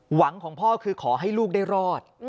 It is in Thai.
หวังของพ่อคือขอให้ลูกได้รอด